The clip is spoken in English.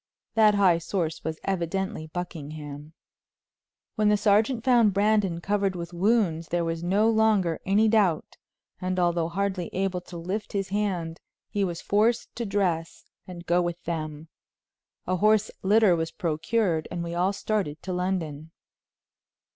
That high source was evidently Buckingham. When the sergeant found Brandon covered with wounds there was no longer any doubt, and although hardly able to lift his hand he was forced to dress and go with them. A horse litter was procured and we all started to London.